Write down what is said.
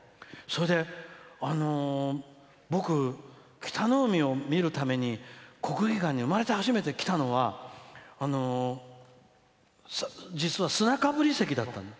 それで、僕、北の湖を見るために国技館に生まれて初めて来たのは実は砂被り席だった。